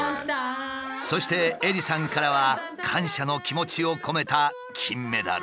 そして恵梨さんからは感謝の気持ちを込めた金メダル。